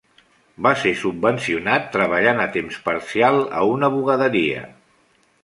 Va ser subvencionat treballant a temps parcial a una bugaderia.